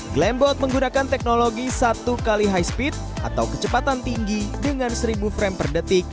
glambot menggunakan teknologi satu x high speed atau kecepatan tinggi dengan seribu frame per detik